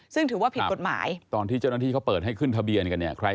ซึ่งถือว่าผิดกฎหมาย